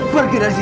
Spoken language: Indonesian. pergi dari sini